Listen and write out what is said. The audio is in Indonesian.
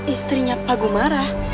istrinya pak gumara